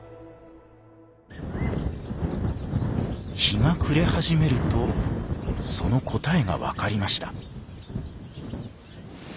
日が暮れ始めるとその答えがわかりました。